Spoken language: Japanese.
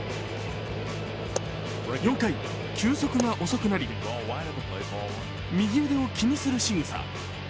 ４回、球速が遅くなり右腕を気にするしぐさ。